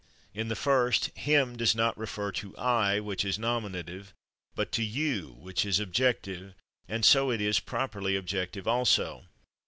In the first /him/ does not refer to /I/, which is nominative, but to /you/, which is objective, and so it is properly objective also.